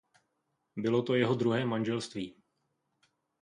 Bylo to jeho druhé manželství.